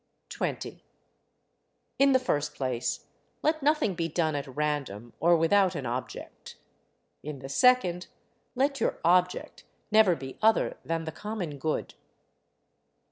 20. In the first place, let nothing be done at random or without an object. In the second let your object never be other than the common good.